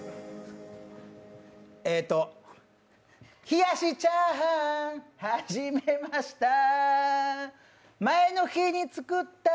冷やしチャーハン、始めました。